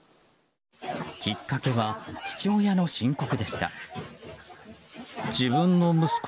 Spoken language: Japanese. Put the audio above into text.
きっかけは父親の申告でした。